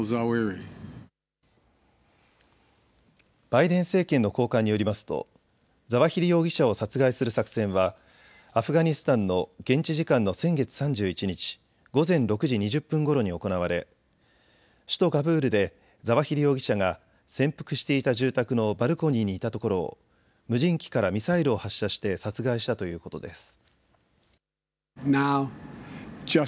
バイデン政権の高官によりますとザワヒリ容疑者を殺害する作戦はアフガニスタンの現地時間の先月３１日午前６時２０分ごろに行われ首都カブールでザワヒリ容疑者が潜伏していた住宅のバルコニーにいたところを無人機からミサイルを発射して殺害したということです。